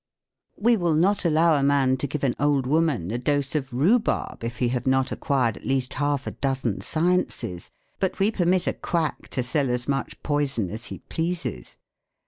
We will not allow a man to give an old woman a dose of rhubarb if he have not acquired at least half a dozen sciences ; but we permit a quack to sell as much poison as he pleases.